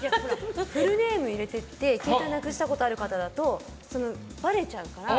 フルネーム入れてて携帯なくしたことある方だとばれちゃうから。